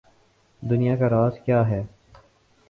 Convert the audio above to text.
دنیا کا راز کیا ہے؟